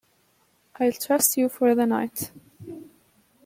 I’ll trust you for the night.